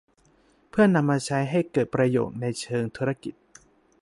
เพื่อนำมาใช้ให้เกิดประโยชน์ในเชิงธุรกิจ